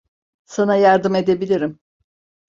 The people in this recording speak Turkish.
Sana yardım edebilirim.